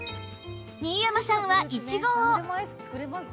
新山さんはイチゴを